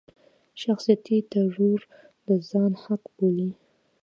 شخصيتي ترور د ځان حق بولي.